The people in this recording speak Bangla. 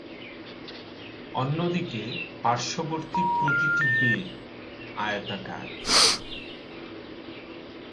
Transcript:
অন্যদিকে পার্শ্ববর্তী প্রতিটি ‘বে’ আয়তাকার।